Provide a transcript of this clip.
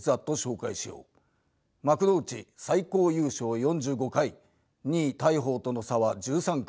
幕内最高優勝４５回２位大鵬との差は１３回。